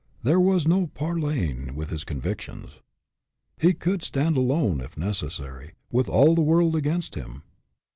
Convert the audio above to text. There was no parley ing with his convictions. He could stand alone, if necessary, with all the world against him.